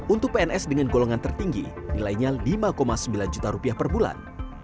untuk pns dengan golongan tertinggi nilainya lima sembilan juta rupiah per bulan